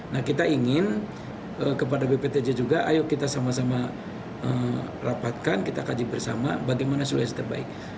nah kita ingin kepada bptj juga ayo kita sama sama rapatkan kita kaji bersama bagaimana solusi terbaik